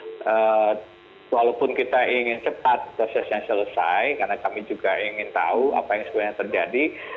tapi kan proses investigasi baru dilakukan walaupun kita ingin cepat prosesnya selesai karena kami juga ingin tahu apa yang sebenarnya terjadi